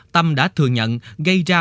tâm đã thừa nhận gây ra